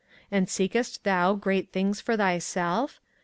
24:045:005 And seekest thou great things for thyself?